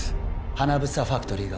ハナブサファクトリーが